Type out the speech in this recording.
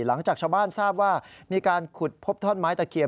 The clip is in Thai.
หลังจากชาวบ้านทราบว่ามีการขุดพบท่อนไม้ตะเคียน